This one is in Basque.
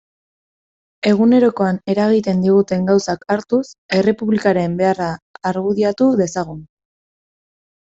Egunerokoan eragiten diguten gauzak hartuz, Errepublikaren beharra argudiatu dezagun.